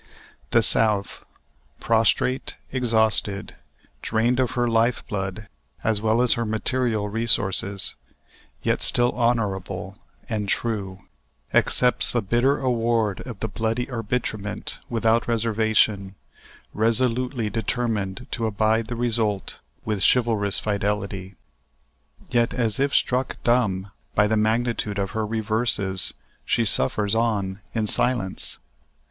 The South—prostrate, exhausted, drained of her life blood as well as her material resources, yet still honorable and true—accepts the bitter award of the bloody arbitrament without reservation, resolutely determined to abide the result with chivalrous fidelity. Yet, as if struck dumb by the magnitude of her reverses, she suffers on in silence.